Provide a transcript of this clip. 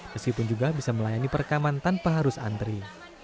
meskipun juga bisa melayani perekaman tanpa harus antri